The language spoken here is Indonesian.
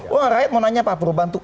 wah rakyat mau nanya apa perubahan itu